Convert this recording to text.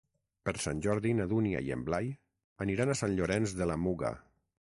Per Sant Jordi na Dúnia i en Blai aniran a Sant Llorenç de la Muga.